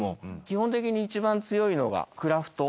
基本的に一番強いのがクラフト。